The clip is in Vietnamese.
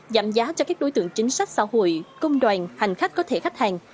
giảm giá cho các đối tượng chính sách xã hội công đoàn hành khách có thẻ khách hàng